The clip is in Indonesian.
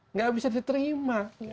nggak bisa diterima